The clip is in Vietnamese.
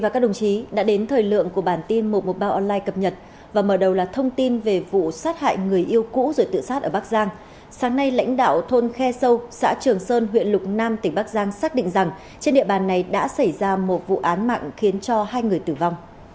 các bạn hãy đăng ký kênh để ủng hộ kênh của chúng mình nhé